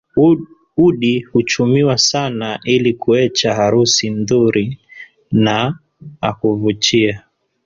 Udi huchumiwa sana ili kuecha harusi ndhuri na a kuvuchia